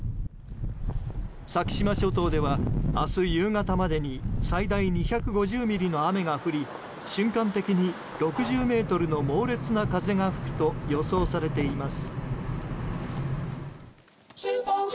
先島諸島では明日夕方までに最大２５０ミリの雨が降り瞬間的に６０メートルの猛烈な風が吹くと予想されています。